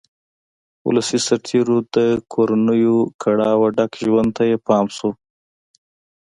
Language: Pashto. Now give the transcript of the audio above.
ولسي سرتېرو د کورنیو کړاوه ډک ژوند ته یې پام شو.